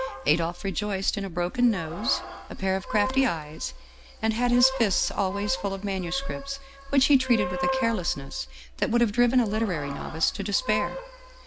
Adolphe rejoiced in a broken nose, a pair of crafty eyes, and had his fists always full of manuscripts which he treated with a carelessness that would have driven a literary novice to despair.